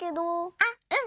あっうん。